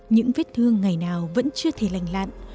những vết thương ngày nào vẫn chưa thể lành lạn